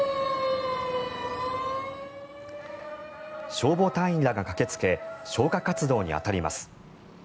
消防隊員らが駆けつけ消火活動に当たります。